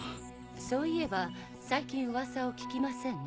そういえば最近ウワサを聞きませんね。